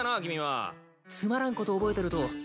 つまらんこと覚えてると頭が腐るぞ。